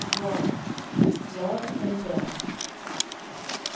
LOVE AND DEATH.